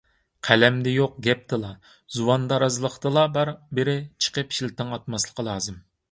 قەلەمدە يوق، گەپتىلا، زۇۋاندارازلىقتىلا بار بىرى چىقىپ شىلتىڭ ئاتماسلىقى لازىم.